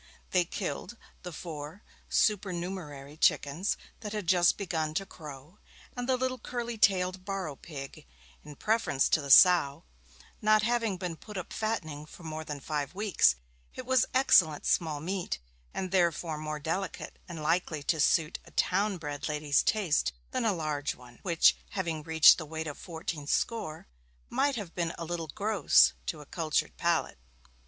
They killed the four supernumerary chickens that had just begun to crow, and the little curly tailed barrow pig, in preference to the sow; not having been put up fattening for more than five weeks it was excellent small meat, and therefore more delicate and likely to suit a town bred lady's taste than the large one, which, having reached the weight of fourteen score, might have been a little gross to a cultured palate.